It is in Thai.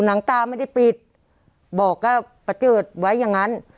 หนังตาไม่ได้ปิดบอกว่าประเจิดไว้อย่างนั้น